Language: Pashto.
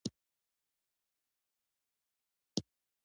دوی د یو او بل په مخالفت کې سره ښکلیل شول